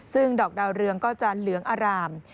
ซึ่งดอกดาวเรืองก็จะเหลืองอาราม